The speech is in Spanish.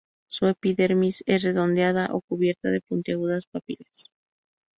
Su epidermis es redondeada o cubierta de puntiagudas papilas.